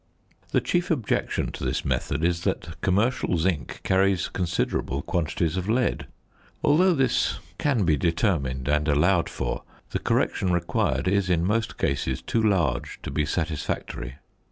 The chief objection to this method is that commercial zinc carries considerable quantities of lead. Although this can be determined and allowed for, the correction required is in most cases too large to be satisfactory.